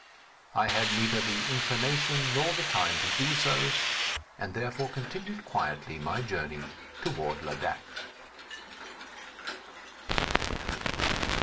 I had neither the inclination nor the time to do so, and, therefore, continued quietly my journey toward Ladak.